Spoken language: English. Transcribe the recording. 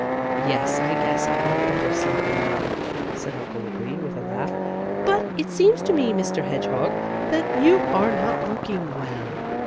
"Yes, I guess I had better sleep alone," said Uncle Wiggily, with a laugh. "But it seems to me, Mr. Hedgehog, that you are not looking well."